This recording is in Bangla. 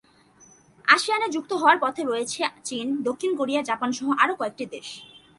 আসিয়ানে যুক্ত হওয়ার পথে রয়েছে চীন, দক্ষিণ কোরিয়া, জাপানসহ আরও কয়েকটি দেশ।